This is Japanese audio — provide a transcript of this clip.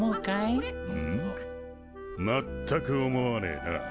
まったく思わねえな。